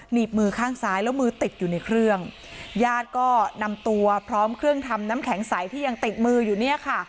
หนีบมือข้างซ้ายแล้วมือติดอยู่ในเครื่องญาติก็นำตัวพร้อมเครื่องทำน้ำแข็งใสที่ยังติดมืออยู่เนี่ยค่ะ